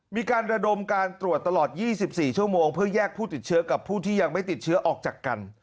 มีการระดมการตรวจตลอด๒๔ชั่วโมงเพื่อแยกผู้ติดเชื้อกับผู้ที่ยังไม่ติดเชื้อออกจากกัน